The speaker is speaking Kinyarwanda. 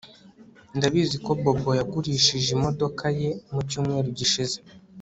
Ndabizi ko Bobo yagurishije imodoka ye mucyumweru gishize